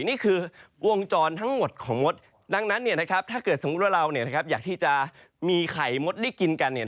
นี่คือวงจรทั้งหมดของมดดังนั้นถ้าเกิดสมมุติว่าเราอยากที่จะมีไข่มดได้กินกัน